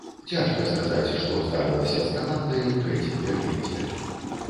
Цяжка сказаць, што здарылася з камандай у трэцім перыядзе.